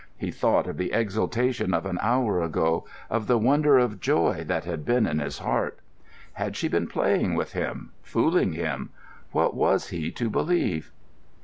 He thought of the exultation of an hour ago, of the wonder of joy that had been in his heart. Had she been playing with him, fooling him? What was he to believe?